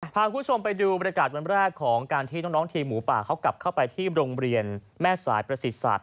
พาคุณผู้ชมไปดูบรรยากาศวันแรกของการที่น้องทีมหมูป่าเขากลับเข้าไปที่โรงเรียนแม่สายประสิทศาสต